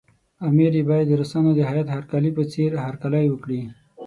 امیر یې باید د روسانو د هیات هرکلي په څېر هرکلی وکړي.